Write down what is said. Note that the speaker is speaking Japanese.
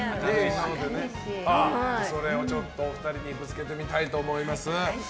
それをお二人にぶつけてみたいと思います。